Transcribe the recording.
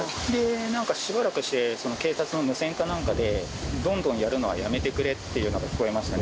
なんかしばらくして、警察の無線かなんかで、どんどんやるのはやめてくれっていうのは聞こえましたね。